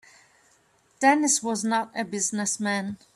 Dennis was not a business man.